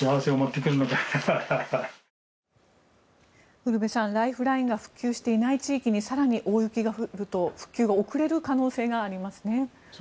ウルヴェさんライフラインが復旧していない地域に更に大雪が降ると復旧が遅れる可能性がありますね。